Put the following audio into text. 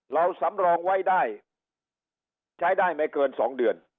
สำรองไว้ได้ใช้ได้ไม่เกิน๒เดือน